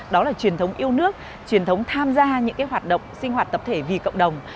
đó là truyền thống yêu nước truyền thống tham gia những hoạt động sinh hoạt tập thể vì cộng đồng